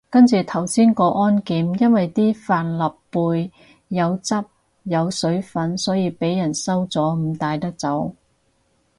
跟住頭先過安檢，因為啲帆立貝有汁有水份，所以被人收咗唔帶得走